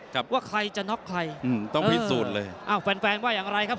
ครับว่าใครจะน็อกใครอืมต้องพิสูจน์เลยอ้าวแฟนแฟนว่าอย่างไรครับ